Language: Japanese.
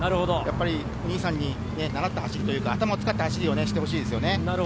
お兄さんに習った走り、頭を使った走りをしてほしいですね。